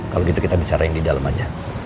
kalau gitu kita bicara yang di dalam aja